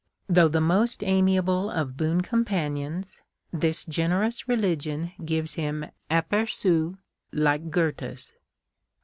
Tliough the most amiable of boon companions, this generous religion gives liim apergus like Goethe's.